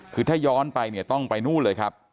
คือถ้าย้อนไปเนี่ยต้องไปนู่นเลยครับ